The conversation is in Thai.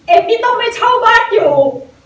เอมมี่ต้องไม่เช่าบ้านอยู่